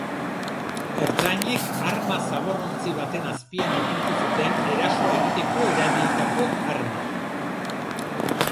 Ertzainek arma zaborrontzi baten azpian aurkitu zuten erasoa egiteko erabilitako arma.